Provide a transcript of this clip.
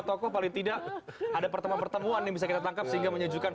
tokoh paling tidak ada pertemuan pertemuan yang bisa kita tangkap sehingga menyejukkan